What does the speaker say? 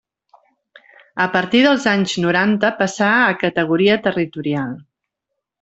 A partir dels anys noranta passà a categoria territorial.